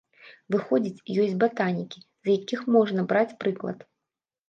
Выходзіць, ёсць батанікі, з якіх можна браць прыклад.